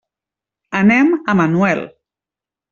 Anem a Manuel.